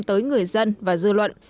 tới người dân và dư luận